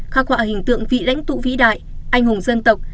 khắc họa hình tượng vị lãnh tụ vĩ đại anh hùng dân tộc